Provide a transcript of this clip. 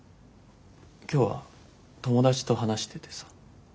今日は友達と話しててさ。